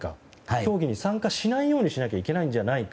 競技に参加しないようにしなきゃいけないんじゃないか。